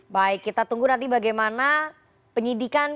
baik kita tunggu nanti bagaimana penyidikan